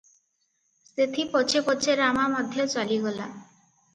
ସେଥି ପଛେ ପଛେ ରାମା ମଧ୍ୟ ଚାଲିଗଲା ।